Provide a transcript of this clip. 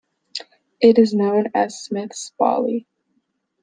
It is known as "Smith's Folly".